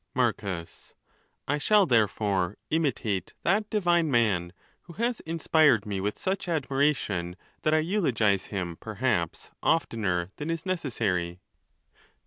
I. Marcus.—I shall, therefore, imitate that divine man, who has inspired me with such admiration that I eulogise him perhaps oftener than is necessary.